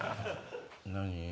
何？